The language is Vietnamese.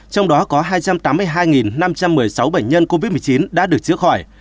trong đó có hai trăm tám mươi hai năm trăm một mươi sáu bệnh nhân covid một mươi chín đã được chữa khỏi